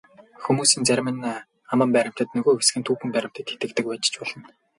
Хүмүүсийн зарим нь аман баримтад, нөгөө хэсэг нь түүхэн баримтад итгэдэг байж ч болно.